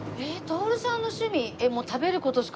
徹さんの趣味？